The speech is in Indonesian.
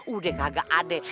udah kagak ada